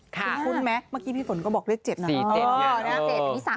คุ้นไหมเมื่อกี้พี่ฝนก็บอกเลข๗หน่อย